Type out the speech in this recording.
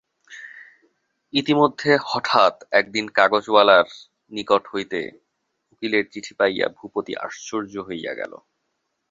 ইতিমধ্যে হঠাৎ একদিন কাগজওয়ালার নিকট হইতে উকিলের চিঠি পাইয়া ভূপতি আশ্চর্য হইয়া গেল।